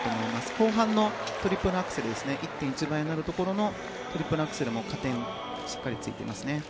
後半のトリプルアクセル１．１倍になるところのトリプルアクセルも、加点がしっかりついていますね。